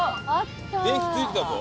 電気ついてたぞ。